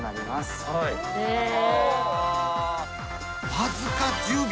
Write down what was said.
わずか１０秒。